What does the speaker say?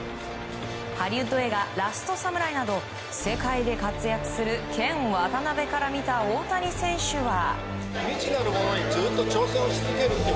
ハリウッド映画「ラスト・サムライ」など世界で活躍するケン・ワタナベから見た大谷選手は。